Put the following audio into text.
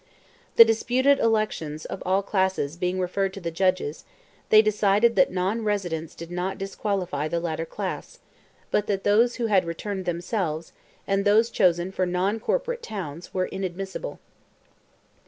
The disputed elections of all classes being referred to the judges, they decided that non residence did not disqualify the latter class; but that those who had returned themselves, and those chosen for non corporate towns, were inadmissible.